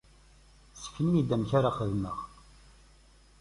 Sken-iyi-d amek ara xedmeɣ.